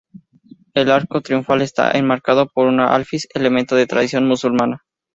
El arco triunfal está enmarcado por un alfiz, elemento de tradición musulmana.